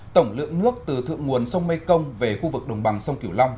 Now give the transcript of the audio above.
tổng lượng nước từ thượng nguồn sông mê công về khu vực đồng bằng sông kiểu long